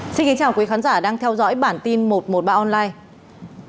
xin kính chào quý khán giả đang theo dõi bản tin một trăm một mươi ba online